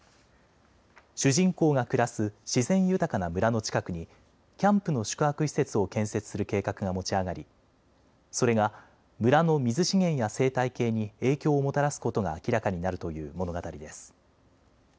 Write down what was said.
主人公が暮らす自然豊かな村の近くにキャンプの宿泊施設を建設する計画が持ち上がりそれが村の水資源や生態系に影響をもたらすことが明らかになるという物語です。